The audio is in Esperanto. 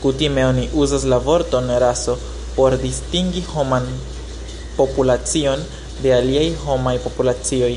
Kutime oni uzas la vorton 'raso' por distingi homan populacion de aliaj homaj populacioj.